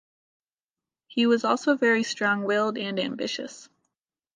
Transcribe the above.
He was also very strong willed and ambitious.